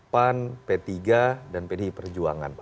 pan p tiga dan pdi perjuangan